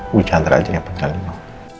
bu chandra aja yang pegang nino